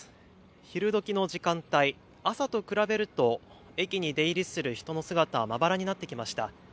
昼どきの時間帯、朝と比べると駅に出入りする人の姿はまばらになってきました。